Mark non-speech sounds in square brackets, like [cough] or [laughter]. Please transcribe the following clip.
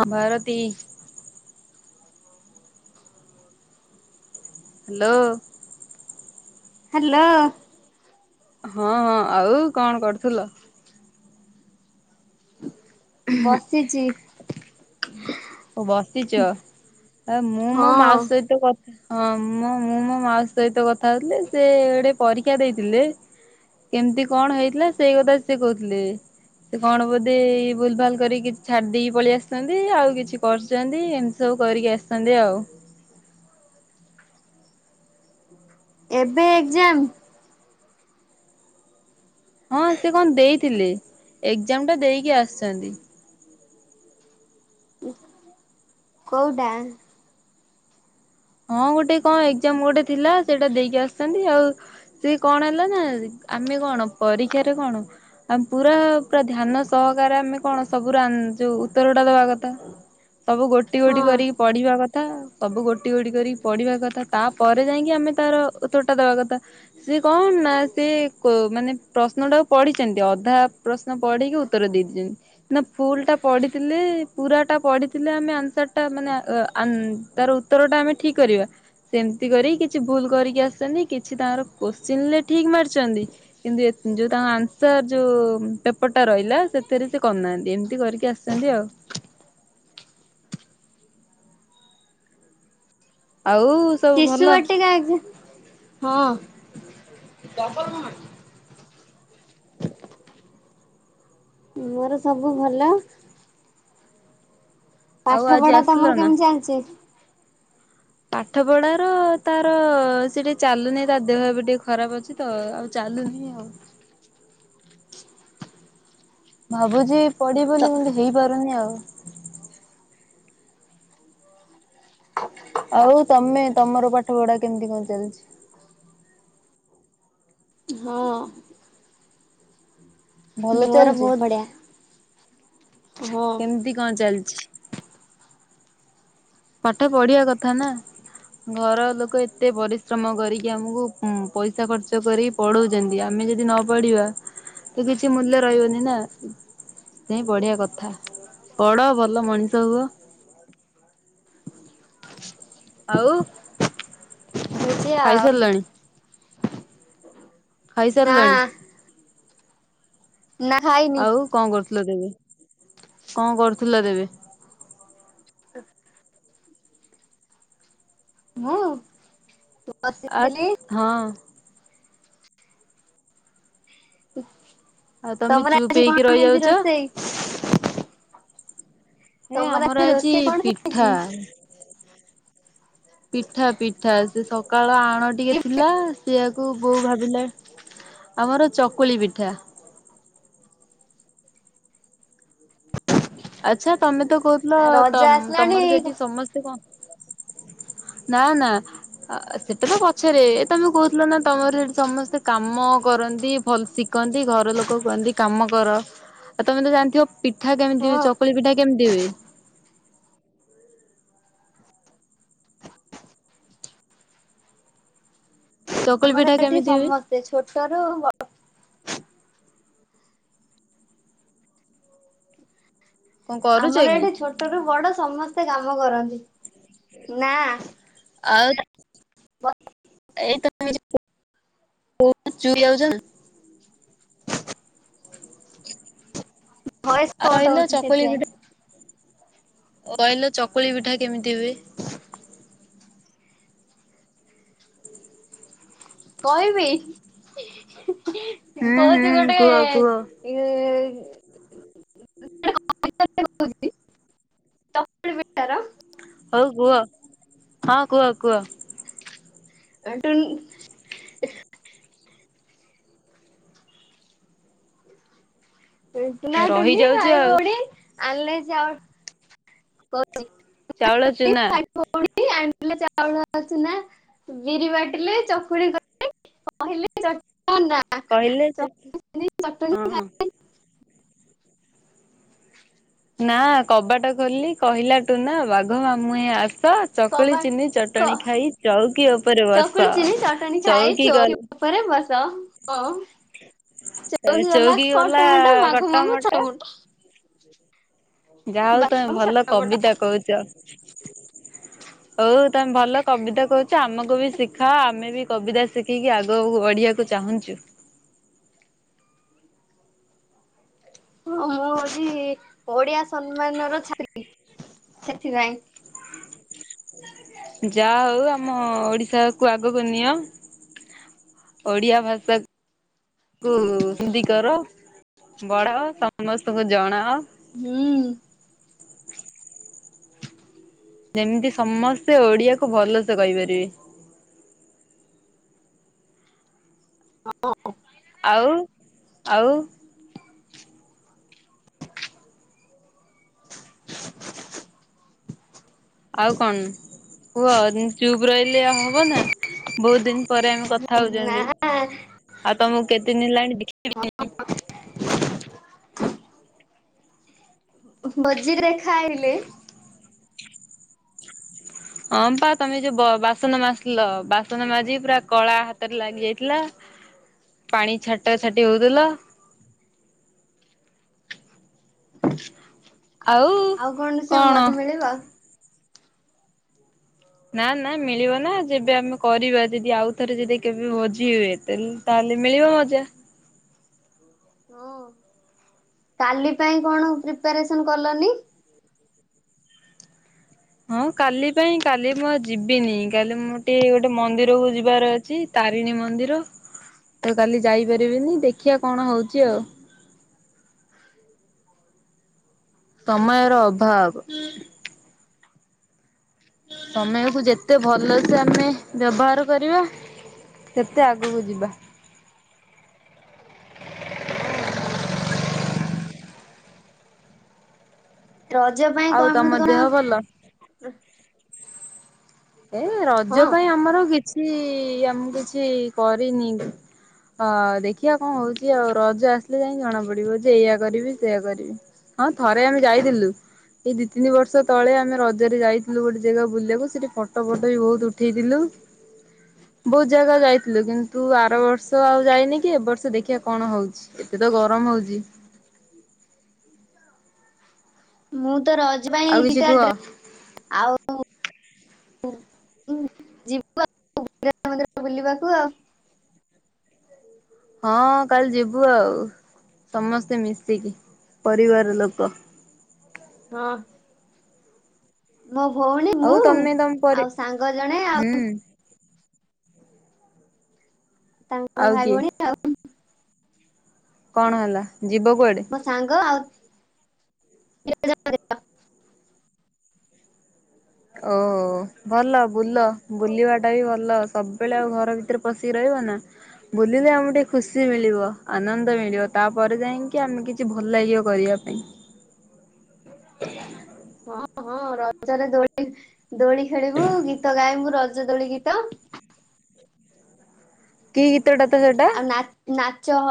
ହଭାରତ ହ hello hello ହଁ ହଁ ଆଉ କଣ କରୁଥିଲ। [inaudible] ବସିଛି। ହ ବସିଛ ଆ ମୁଁ ମୋ ହଁ ମାଉ ସହିତ କଥା ହଁ ମୋ ମୁଁ ମୋ ମା ସହିତ କଥା ହଉଥିଲେ ସେ ଗୋଟେ ପରୀକ୍ଷା ଦେଇଥିଲେ କେମିତି କଣ ହେଇଥିଲା ସେଇ କଥା ସେ କହୁଥିଲେ ସେ କଣ ବୋଧେ ଭୁଲ ଭାଲ କରିକ କିଛି ଛାଡି ଦେଇକି ପଳେଇ ଆସିଛନ୍ତି ଆଉ କିଛି ପଛନ୍ତି ଏମିତି ସବୁ କରିକି ଆସିଛନ୍ତି ଆଉ। ଏବେ ଏକ୍ଜାମ ହଁ ସେ କଣ ଦେଇଥିଲେ ଏକ୍ଜାମ ଟା ଦେଇକି ଆସିଛନ୍ତି। କୋଉଡା ହଁ ଗୋଟେ କଣ ଏଜାମ ଗୋଟେ ଥିଲା ସେଇଟା ଦେଇକି ଆସିଛନ୍ତି ଆଉ ସେି କଣ ହେଲା ନା ଆମେ କଣ ପରୀକ୍ଷାରେ କଣ ଆ ପୁରା ପୁରା ଧ୍ୟାନ ସହକାରେ ଆମେ କଣ ସବୁ ଯୋଉ ଉତ୍ତର ଟା ଦବା କଥା ସବୁ ଗୋଟି ହଁ ଗୋଟି କରିକି ପଢିବା କଥା। ସବୁ ଗୋଟେ। ଟିଗଟି କରିକି ପଢିବା କଥା ତାପରେ ଯାଇକି ଆମେ ତାର ଉତ୍ତର ଟା ଦବା କଥା ସେି କଣ ନା ସେ ମାନେ ପ୍ରଶ୍ନ ଟାକୁ ପଢିଛନ୍ତି ଅଧା ପ୍ରଶ୍ନ ପଢିକି ଉତ୍ତର ଦେଇ ଦେଇଛନ୍ତି ଫୁଲ ଟା ପଢିଥିଲେ ପୁରା ଟା ପଢିଥିଲେ ଆମେ ଆନ୍ସର ଟା ମାନେ ତାର ଉତ୍ତର ଟା ଆମେ ଠିକ କରିବା ସେମିତି କରି କିଛି ଭୁଲ କରିକି ଆସିଛନ୍ତି କିଛି ତାଙ୍କର କୋଶ୍ଚିନ ଠିକ ମାରିଛନ୍ତି କିନ୍ତୁ ଯୋଉ ତାଙ୍କ ଆନ୍ସର ଯୋଉ ପେପର ଟା ରହିଲା ସେଥିରେ ସେ କରିନାହାନ୍ତି ଏମିତି କରିକି ଆସିଛନ୍ତି ଆଉ। ଆଉ ସବୁ ଶିଶୁ ଭଲ ବାଟିକା ଏକ୍ଜା ହଁ। ମୋର ସବୁ ଭଲ ଆଉ ପାଠ ଆଜି ପଢା ଆସିଲ ତମର ନା? କେମିତି ଚାଲିଛି। ପାଠ ପଢାର ତାର ସେ ଟିକେ ଚାଲୁନି ତାର ଦେହ ଏବେ ଟିକେ ଖରାପ ଅଛି ତ ଆଉ ଚାଲୁନି ଆଉ ଭାବୁଛି ପଡେ ତ ବୋଲି କିନ୍ତୁ ହେଇପାରୁନି ଆଉ। [inaudible] ଆଉ ତମେ ତମର ପାଠ ପଢା କେମିତି କଣ ଚାଲିଛି? ହଁ ଭଲ ମୋର ଚାଲିଛି? ବହୁତ ବଢିଆ। ହଁ କେମିତି କଣ ଚାଲିଛି? ପାଠ ପଢିବା କଥା ନା ଘର ଲୋକ ଏତେ ପରିଶ୍ରମ କରିକି ଆମକୁ ପଇସା ଖର୍ଚ୍ଚ କରିକି ପଢଉଛନ୍ତି ଆମେ ଯଦି ନ ପଢିବା ତ କିଛି ମୂଲ୍ୟ ରହିବନି ନା ସୋଇ ବଢଆ କଥା ପଢ ଭଲ ମଣିଷ ହୁଅ ଆଉ ହଉଛି ଖାଇ ଆଉ ସାରିଲାଣି ନା ଖାଇସାରିଲାଣି ନା ଖାଇନି ଆଉ କଣ କରୁଥୁଲ ତେବେ? କଣ କରୁଥୁଲ ତେବେ? ମୁଁ ଆତ୍ ବସିଥିଲି ହଁ ଇ ଆଉ ତମେ ଚୁପ ହେଇକି ରହିଯାଉଛ। ହେ ତମର ଆମର ଆଜି ରୋଷେଇ କଣ ପିଠା। ହେଇଛି? ପିଠା ପିଠା ସେ ସକାଳ ଆଣ ଟିକେ ଥିଲା ସେଆକୁ ବୋଉ ଭାବିଲା ଆମର ଚକୁଳି ପିଠା। ଆଚ୍ଛା ତୋମେ ତ କହୁଥୁଲ ରଜ ତମ ଆସିଲାଣି ତୋମର ସେଠି ସମସ୍ତେ କଣ ନା ନା ଅ, ସେଟା ତ ପଛରେ ତୋମେ କହୁଥୁଲ ନା ତୋମର ସେଠି ସମସ୍ତେ କାମ କରନ୍ତି, ଭଲ ଶିଖନ୍ତି ଘର ଲୋକ କୁହନ୍ତି କାମ କର, ଆଉ ତୋମେ ତ ଜାଣିଥିବ ପିଠା ହଁ କେମିତି ଚକୁଳି ପିଠା କେମିତି ହୁଏ? ଚକୁଳି ଆମର ପିଠା ଏଠି କେମିତି ହୁଏ ସମସ୍ତେ ଛୋଟରୁୁ ବ କଣ କରୁଛ ଆମର କି ଏଠି ଛୋଟ ରୁ ବଡ ସମସ୍ ସେ କାମ କରନ୍ତି, ନା ଆଉ [inaudible] ଯାଉଚ। ଭଏସ୍ ଆଉ କଟ୍ କହିଲ ହଉଚି ଚକୁଳି ସେଥିପାଇଁ। ପିଠା କହିଲ ଚକୁଳି ପିଠା କେମିତି ହୁଏ? କହିବି। ହୁଁ କହୁଚି ହୁଁ ଗୋଟେ କୁହ କୁହ ଏଇ ଉଁ, [inaudible] ଚକୁଳି ପିଠା ର। ହଉ କୁହ, ହଁ କୁହ କୁହ। ଅଟୁନ ଏ ଟୁନା ଟୁନି ରହିଯାଉଛି ଭାଇ ଆଉ ଭଉଣୀ ଆଣିଲେ ଯାଅ [inaudible] ଟୁନା ଚାଉଳ ଟୁନି ଚୁନା ଭାଇ ଭଉଣୀ ଆଣ ଆଣିଲେ ଚାଉଳ ଚୂନା ବିରି ବାଟିଲେ ଚକୁଳି କଲେ କହିଲେ ଚଟ ଅନା କହିଲେ ଚକୁଳି ଚିନି ଚଟଣି ହଁ। ଖାଇ ନା କବାଟ ଖୋଲି କହିଲା ଟୁନା ବାଘ ମାମୁଁ ହେ ଆସ ତ ଚକୁଳି କବା ଚିନି କ ଚଟଣି ଖାଇ ଚଉକି ଉପରେ ବସ ଚକୁଳି ଚିନି ଚଟଣି ଚଉକି ଗଲ କ ଚଉକି କଲା କଟ ମଟ ବାଘ କଟା ମାମୁଁ ମଟା ଛଟପଟ। ଯାହା ହଉ ତମେ ଭଲ ଛୋଟ ପଟ କବିତା କହୁଛ। ହଉ ତମେ ଭଲ କବିତା କହୁଛ ଆମକୁ ବି ଶିଖାଅ ଆମେ ବି କବିତା ଶିଖିକି ଆଗକୁ ବଢିବାକୁ ଚାହୁଁଛୁ। ହଁ ମୁଁ ହଉଛି ଓଡିଆ ସମ୍ମାନର ଛାତ୍ରୀ ସେଥିପାଇଁ ଯାହା ହଉ ଆମ ଓଡିଶାକୁ ଆଗକୁ ନିଅ ଓଡ଼ିଆ ଭାଷା କୁ ହିନ୍ଦୀ କର ବଢ଼ାଅ ସମସ୍ତଙ୍କୁ ଜଣାଅ ହୁଁ। ଯେମିତି ସମସ୍ତେ ଓଡିଆକୁୁ ଭଲସେ କହିପାରିବେ। ହଁ। ଆଉ ଆଉ ଆଉ କଣ ହୁହ ଚୁପ୍ ରହିଲେ ହବ ନା ବହୁତ ଦିନ ପରେ ଆମେ କଥା ନା ହଉଛନ୍ତି ଆଉ ତମକୁ କେତେ ଦିନ ହେଲାଣି ଦେଖିବ। ଭଜିରରେ ଖାଇଲେ। ହଁ ପା ତମେ ଯୋଉ ବାସନ ମାଜିଥିଲ ବାସନ ମାଜି ପୁରା କଳା ହାତରେ ଲାଗି ଯାଇଥିଲା ପାଣି ଛାଟ ଛାଟି ହଉଥିଲ। ଆଉ କଣ ସେ ମତ ମିଳିବ ନା ନା ମିଳିବ ନା ଯେବେ ଆମେ କରିବା ଯଦି ଆଉ ଥରେ ଯଦି କେବେ ଭୋଜି ହୁଏ ତାହେଲେ ମିଳିବ ମଜା। ହଁ କାଲି ପାଇଁ କଣ ପ୍ରିପାରେସନ କଲନି ହଁ କାଲି ପାଇଁ କାଲି ମୁଁ ଆ ଯିବିନି କାଲି ମୁଁ ଟିକେ ଗୋଟେ ମନ୍ଦିର କ ଯିବାର ଅଛି ତାରିଣୀ ମନ୍ଦିର ତ କାଲି ଯାଇପାରିବିନି ଦେଖିବା କଣ ହଉଛି ଆଉ ସମୟର ଅଭାବ ତମେକୁ ଯେତେ ଭଲସ ଆମେ ବ୍ୟବହାର କରିବା ସେତେ ଆଗକୁ ଯିବା। ହଁ। ରଜ ପାଇଁ ଆଉ କଣ ତମ ମ କଣ ଦେହ ଭଲ? ଏ ହଁ ରଜ ପାଇଁ ଆମର ଗୀତ କିଛି ଆମକୁ କିଛି କରିନି ଅ ଦେଖିବା କଣ ହଉଛି ଆଉ ରଜ ଆସିଲେ ଯାଇି ଜଣା ପଡିବ ଯେ ଏଇୟଆ କରିବି ସେୟଆ କରିବି ହଁ ଥରେ ଆମେ ଯାଇଥିଲୁ ଏଇ ଦି ତିନି ବର୍ଷ ତଳେ ଆମେ ରଜରେ ଯାଇଥିଲୁ ଗୋଟେ ଜାଗା ବୁଲିବାକୁ ସେଠି ଫଟ ଫଟ ବି ବହୁତ ଉଠେଇଥିଲୁ ବହୁତ ଜାଗା ଯାଇଥିଲୁ କିନ୍ତୁ ଆର ବର୍ଷ ଆଉ ଯାଇନି କି ଏ ବର୍ଷ ଦେଖିବା କଣ ହଉଛି ଏତେ ତ ଗରମ ହଉଛି। ମୁଁ ତ ରଜ ପାଇଁ ଏ ଆଉ କିଛି ଦିଟା କୁହ ଡ୍ରେସ ଆଉ। ଯିବୁ ଆ ମନ୍ଦିର ବୁଲିବାକୁ ଆଉ। ହଁ କାଲି ଯିବୁ ଆଉ ସମସ୍ତେ ମିଶିକି ପରିବାର ଲୋକ ହଁ। ମୋ ଭଉଣୀ ଆଉ ମୁଁ ତମେ ତମ ପରି ଆଉ ସାଙ୍ଗ ଜଣେ ହୁଁ ଆଉ। ତାଙ୍କ ଆଉ ଭାଇ କିଏ ଭଉଣୀ ଆଉ। କଣ ହେଲା? ଯିବ କୁଆଡେ? ମୋ ସାଙ୍ଗ ଆଉ। ଜୟ ଜ ଓ ଭଲ ବୁଲ ବୁଲିବା ଟା ବି ଭଲ ସବୁବେଳେ ଆଉ ଘର ଭିତରେ ପଶିକି ରହିବ ନା। ବୁଲିଲେ ଆମକୁ ଟିକେ ଖୁସି ମିଳିବ ଆନନ୍ଦ ମିଳିବ ତାପରେ ଯାଇକି ଆମେ କିଛି ଭଲ ଲାଗିବ କରିବା ପାଇଁ। ହଁ ରଜରେ ଦୋଳି ଦୋଳି ଖେଳିବୁ ଗୀତ ଗାଇବୁ ରଜ ଦୋଳି ଗୀତ କି ଗୀ ଆଉ ନାଚ ନା ଛଅ